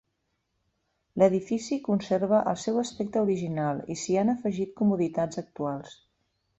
L'edifici conserva el seu aspecte original i s'hi han afegit comoditats actuals.